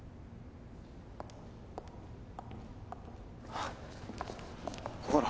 あっこころ。